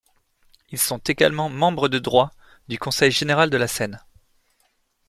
Ils sont également membres de droit du Conseil général de la Seine.